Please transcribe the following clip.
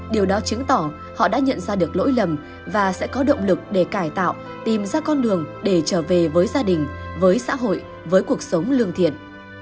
điều đó chứng tỏ họ đã nhận ra được lỗi lầm và sẽ có động lực để cải tạo tìm ra con đường để trở về với gia đình với xã hội với cuộc sống lương thiện